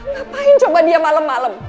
ngapain coba dia malem malem